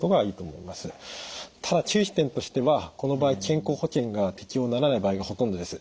ただ注意点としてはこの場合健康保険が適用にならない場合がほとんどです。